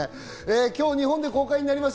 今日、日本で公開となります。